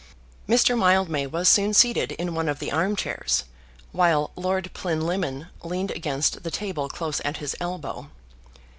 Mr. Mildmay was soon seated in one of the armchairs, while Lord Plinlimmon leaned against the table close at his elbow.